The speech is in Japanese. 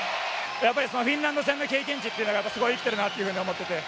やっぱりフィンランド戦の経験値というのがすごい生きているなと思ってて。